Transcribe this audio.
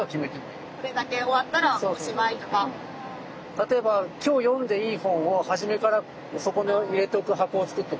例えば今日読んでいい本を初めからそこに入れておく箱を作っとくとか。